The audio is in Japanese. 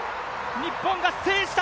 日本が制した！